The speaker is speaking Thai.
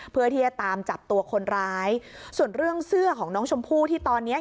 เพื่อที่จะตามจับตัวคนร้ายส่วนเรื่องเสื้อของน้องชมพู่ที่ตอนเนี้ย